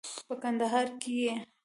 په کندهار کې یې